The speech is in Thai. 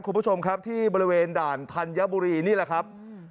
คุณผู้ชมครับที่บริเวณด่านธัญบุรีนี่แหละครับ